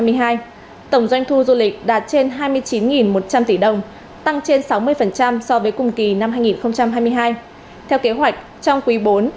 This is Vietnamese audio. tổng doanh thu du lịch đạt trên hai mươi chín một trăm linh tỷ đồng tăng trên sáu mươi so với cùng kỳ năm hai nghìn hai mươi hai theo kế hoạch trong quý bốn